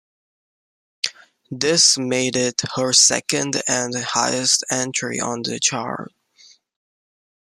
This made it her second and highest entry on the chart.